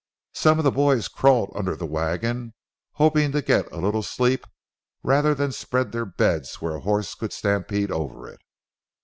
Some of the boys crawled under the wagon, hoping to get a little sleep, rather than spread their bed where a horse could stampede over it.